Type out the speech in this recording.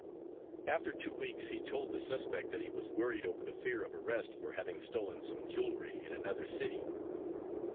After two weeks he told the suspect that he was worried over the fear of arrest for having stolen some jewelry in another city.